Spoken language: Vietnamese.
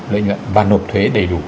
lợi nhuận và nộp thuế đầy đủ